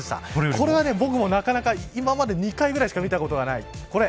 これは僕も今まで２回ぐらいしか見たことがない。